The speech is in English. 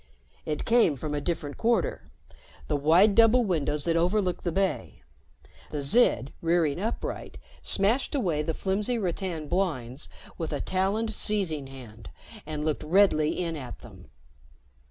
It came from a different quarter the wide double windows that overlooked the bay. The Zid, rearing upright, smashed away the flimsy rattan blinds with a taloned seizing hand and looked redly in at them.